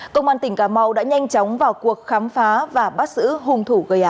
công an tỉnh cà mau đã nhanh chóng vào cuộc khám phá và bắt sử hùng thủ gây án